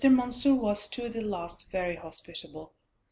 Mansur was to the last very hospitable.